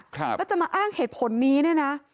ครับแล้วจะมาอ้างเหตุผลนี้เนี่ยนะ